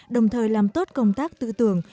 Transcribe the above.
đồng thời làm tốt công tác tư tưởng